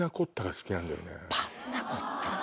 パンナコッタな！